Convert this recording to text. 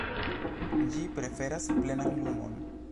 Ĝi preferas plenan lumon.